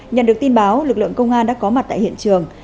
nhận được tin báo lực lượng công an đã có mặt tại hiện trường